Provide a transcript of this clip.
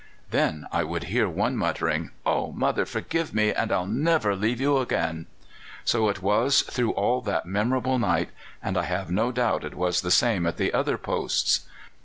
"Then I would hear one muttering, 'Oh, mother, forgive me, and I'll never leave you again.' So it was through all that memorable night, and I have no doubt it was the same at the other posts.